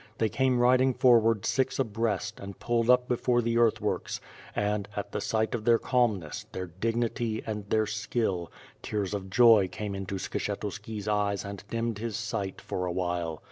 They came riding for ward six abreast and pulled up before the earthworks, and, at the sight of their calmness, their dignity, and their skill, tears of joy came into Skshetuski's eyes and dimmed his sight, for a while.